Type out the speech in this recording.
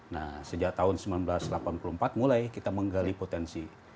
nah sejak tahun seribu sembilan ratus delapan puluh empat mulai kita menggali potensi